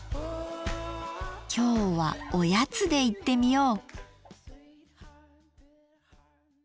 今日はおやつでいってみよう！